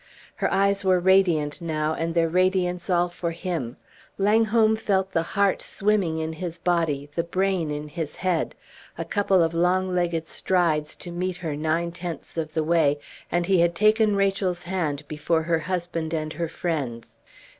Her eyes were radiant now, and their radiance all for him. Langholm felt the heart swimming in his body, the brain in his head. A couple of long legged strides to meet her nine tenths of the way, and he had taken Rachel's hand before her husband and her friends.